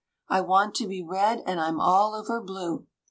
I want to be red, and I'm all over blue."